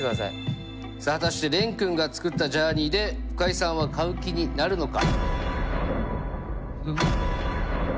さあ果たして廉君が作ったジャーニーで深井さんは買う気になるのか？